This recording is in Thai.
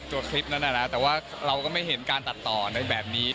คลิปนั้นน่ะนะแต่ว่าเราก็ไม่เห็นการตัดต่อในแบบนี้